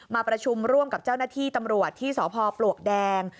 มาประชุมร่วมกับเจ้าหน้าที่ตำรวจที่สพปลวกแดง